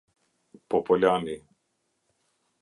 Popolani